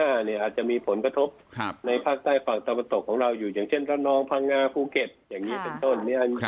อาจจะมีผลกระทบในภาคใต้ฝั่งตะวันตกของเราอยู่อย่างเช่นพระนองพังงาภูเก็ตอย่างนี้เป็นต้น